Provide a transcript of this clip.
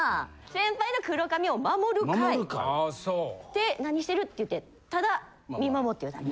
で何してるっていってただ見守ってるだけ。